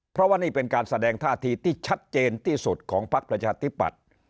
เพราะว่านี่เป็นการแสดงท่าทีที่ชัดเจนที่สุดของพักประชาธิปัตย์